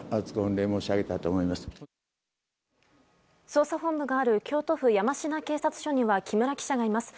捜査本部がある京都府山科警察署には木村記者がいます。